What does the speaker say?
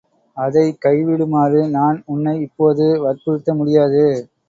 அதைக் கைவிடுமாறு நான் உன்னை இப்போது வற்புறுத்த முடியாது.